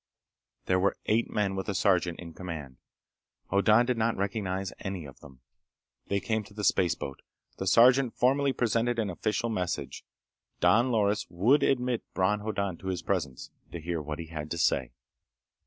There were eight men with a sergeant in command. Hoddan did not recognize any of them. They came to the spaceboat. The sergeant formally presented an official message. Don Loris would admit Bron Hoddan to his presence, to hear what he had to say.